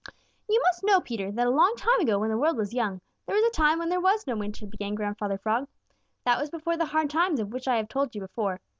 "You must know, Peter, that a long time ago when the world was young, there was a time when there was no winter," began Grandfather Frog. "That was before the hard times of which I have told you before.